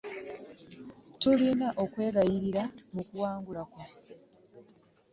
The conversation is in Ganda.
Tulina okweyagalira mu kuwangula kwaffe.